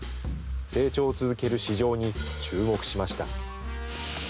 成長を続ける市場に注目しました。